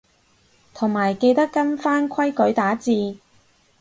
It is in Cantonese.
同埋記得跟返規矩打字